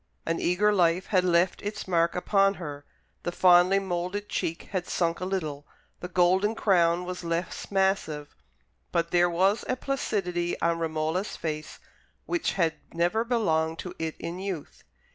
An eager life had left its marks upon her: the finely moulded cheek had sunk a little, the golden crown was less massive; but there was a placidity on Romola's face which had never belonged to it in youth.